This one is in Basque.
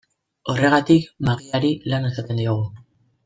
Horregatik, magiari lana esaten diogu.